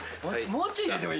もうちょい？